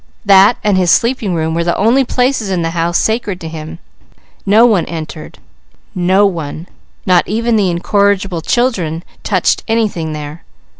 That and his sleeping room were the only places in the house sacred to him. No one entered, no one, not even the incorrigible children, touched anything there.